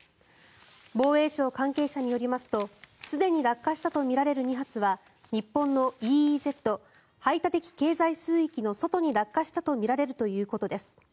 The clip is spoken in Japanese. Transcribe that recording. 防衛省関係者によりますとすでに落下したとみられる２発は日本のＥＥＺ・排他的経済水域の外に落下したとみられるということです。